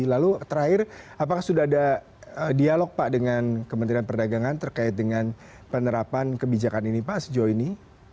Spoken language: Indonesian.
lalu terakhir apakah sudah ada dialog pak dengan kementerian perdagangan terkait dengan penerapan kebijakan ini pak sejauh ini